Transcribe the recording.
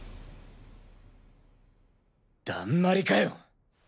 だんまりかよ。